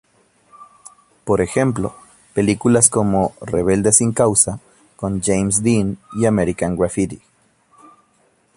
Por ejemplo, películas como "Rebelde sin causa", con James Dean, y "American Graffiti".